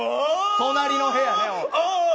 隣の部屋ね。